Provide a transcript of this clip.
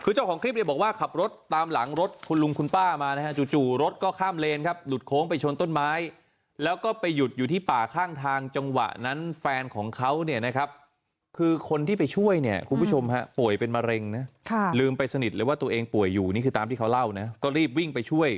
คือเจ้าของคลิปเนี่ยบอกว่าขับรถตามหลังรถคุณลุงคุณป้ามานะฮะจู่รถก็ข้ามเลนครับหลุดโค้งไปชนต้นไม้แล้วก็ไปหยุดอยู่ที่ป่าข้างทางจังหวะนั้นแฟนของเขาเนี่ยนะครับคือคนที่ไปช่วยเนี่ยคุณผู้ชมฮะป่วยเป็นมะเร็งนะลืมไปสนิทเลยว่าตัวเองป่วยอยู่นี่คือตามที่เขาเล่านะก็รีบวิ่งไปช่วย